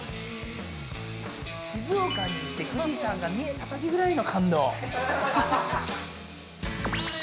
静岡に行って富士山が見えたときぐらいの感動。